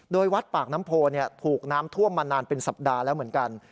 โดยวัดปากน้ำโพถูกน้ำท่วมมานานเป็นสัปดาห์แล้วเหมือนกัน